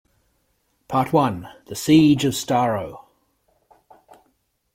Part One", "The Siege of Starro!